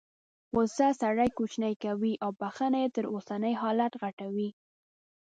غوسه سړی کوچنی کوي او بخښنه یې تر اوسني حالت غټوي.